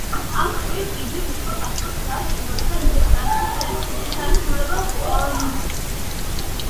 ამ მხრივ იგი უფრო ახლოს დგას ჯგუფის მიერ წარსულში შესრულებულ კონცეფტუალურ მასალასთან.